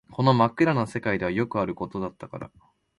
この真っ暗な世界ではよくあることだったから